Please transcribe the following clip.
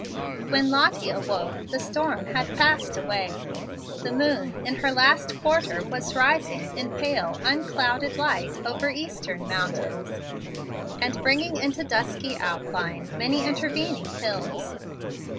When Lottie awoke the storm had passed away. The moon, in her last quarter, was rising in pale, unclouded light over eastern mountains, and bringing into dusky outline many intervening hills.